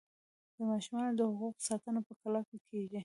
د ماشومانو د حقونو ساتنه په کلکه کیږي.